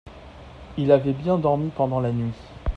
il avait bien dormi pendant la nuit.